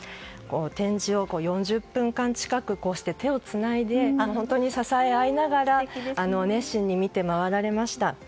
展示を４０分間近く手をつないで本当に支え合いながら熱心に見て回られました。